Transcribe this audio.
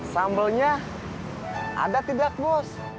sambelnya ada tidak bos